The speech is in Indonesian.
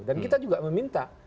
dan kita juga meminta